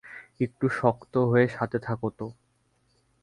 একটু শক্ত হয়ে সাথে থাকো তো!